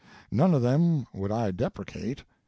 None of them would I depreciate.